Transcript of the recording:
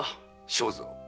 庄三。